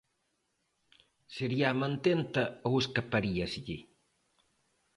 Sería a mantenta ou escaparíaselle?